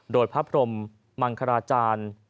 โดยพระพรหมังคราชาญ